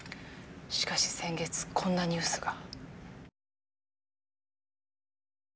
しかし先月こんなニュースが。